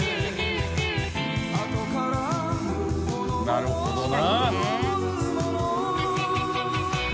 なるほどな。